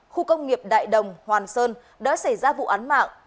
khu công nghiệp đại đồng hoàn sơn đã xảy ra vụ án mạng